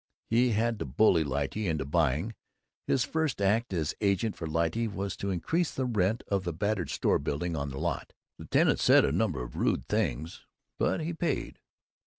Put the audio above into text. He had to bully Lyte into buying. His first act as agent for Lyte was to increase the rent of the battered store building on the lot. The tenant said a number of rude things, but he paid.